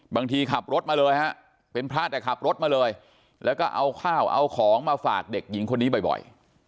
ขับรถมาเลยฮะเป็นพระแต่ขับรถมาเลยแล้วก็เอาข้าวเอาของมาฝากเด็กหญิงคนนี้บ่อย